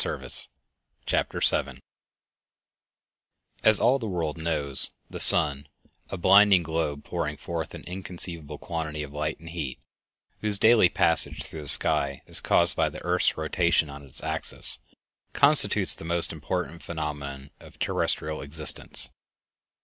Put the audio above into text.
VII The Banners of the Sun As all the world knows, the sun, a blinding globe pouring forth an inconceivable quantity of light and heat, whose daily passage through the sky is caused by the earth's rotation on its axis, constitutes the most important phenomenon of terrestial existence.